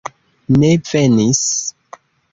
Ne venis.